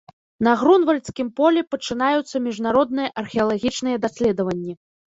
На грунвальдскім полі пачынаюцца міжнародныя археалагічныя даследаванні.